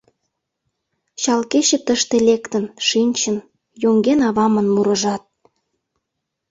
Чал кече тыште лектын, шинчын, Йоҥген авамын мурыжат.